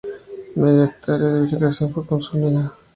Media hectárea de vegetación fue consumida.